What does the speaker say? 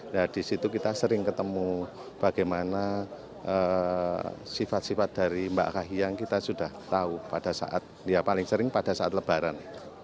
nah disitu kita sering ketemu bagaimana sifat sifat dari mbak kahiyang kita sudah tahu pada saat ya paling sering pada saat lebaran